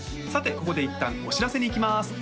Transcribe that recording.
さてここでいったんお知らせにいきます